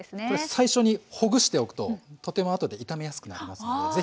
これ最初にほぐしておくととても後で炒めやすくなりますので。